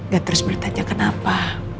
gak terus bertanya kenapa